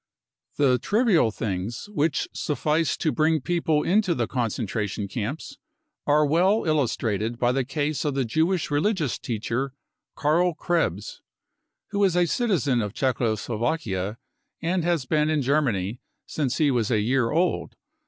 55 The trivial things which suffice to bring people into the concentration camps are well illustrated by the case of the Jewish religious teacher Karl Krebs, who is a citizen of Czecho Slovakia and has been in Germany since he was a year old.